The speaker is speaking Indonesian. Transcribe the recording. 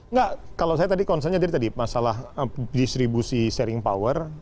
nggak kalau saya tadi konsennya tadi tadi masalah distribusi sharing power